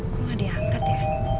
kok gak diangkat ya